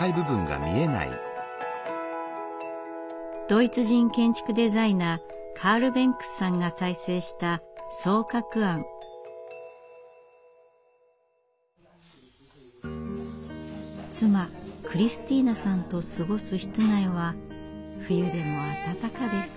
ドイツ人建築デザイナーカール・ベンクスさんが再生した妻クリスティーナさんと過ごす室内は冬でも暖かです。